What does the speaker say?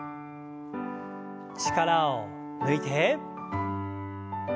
力を抜いて。